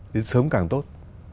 đến sớm càng tốt